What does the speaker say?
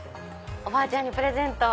おばあちゃんにプレゼント。